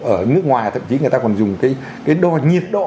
ở nước ngoài thậm chí người ta còn dùng cái đo nhiệt độ